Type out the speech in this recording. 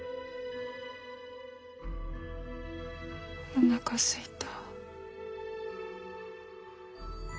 おなかすいた。